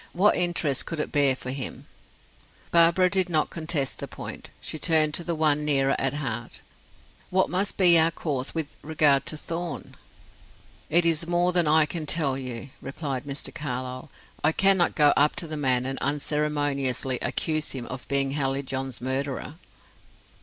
What interest could it bear for him?" Barbara did not contest the point; she turned to the one nearer at heart. "What must be our course with regard to Thorn?" "It is more than I can tell you," replied Mr. Carlyle. "I cannot go up to the man and unceremoniously accuse him of being Hallijohn's murderer."